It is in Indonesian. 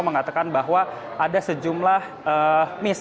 mengatakan bahwa ada sejumlah miss